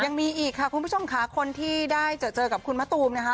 ยังมีอีกค่ะคุณผู้ชมค่ะคนที่ได้เจอกับคุณมะตูมนะคะ